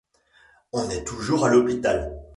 On est toujours à l'hôpital.